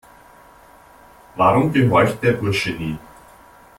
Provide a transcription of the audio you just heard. Warum gehorcht der Bursche nie?